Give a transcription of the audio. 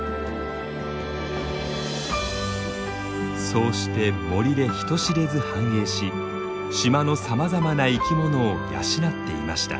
そうして森で人知れず繁栄し島のさまざまな生き物を養っていました。